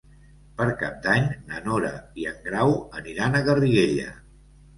Per Cap d'Any na Nora i en Grau aniran a Garriguella.